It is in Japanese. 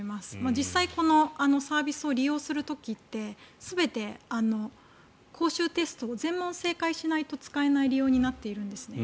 実際、このサービスを利用する時って全て講習テストを全問正解しないと、使えない利用になっているんですね。